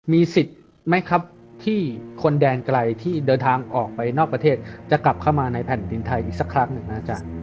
มีสิทธิ์ไหมครับที่คนแดนไกลที่เดินทางออกไปนอกประเทศจะกลับเข้ามาในแผ่นดินไทยอีกสักครั้งหนึ่งนะอาจารย์